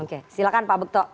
oke silakan pak begto